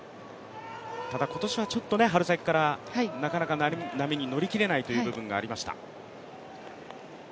ただ今年はちょっと春先から、なかなか波に乗りきれないという部分がありました。